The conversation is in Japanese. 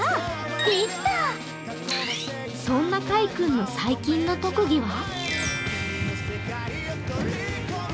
そんな、かい君の最近の特技は？